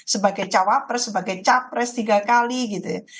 sebagai cawapres sebagai capres tiga kali gitu ya